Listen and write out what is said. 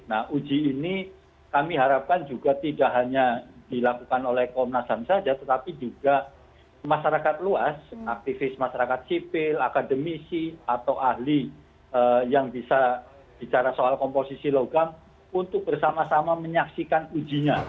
nah uji ini kami harapkan juga tidak hanya dilakukan oleh komnas ham saja tetapi juga masyarakat luas aktivis masyarakat sipil akademisi atau ahli yang bisa bicara soal komposisi logam untuk bersama sama menyaksikan ujinya